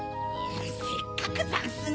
せっかくざんすが。